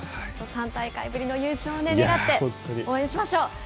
３大会ぶりの優勝を願って、応援しましょう。